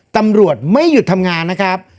ตำรวจไม่หยุดทำงานนะครับ